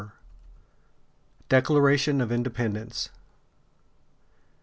LXVI. DECLARATION OF INDEPENDENCE.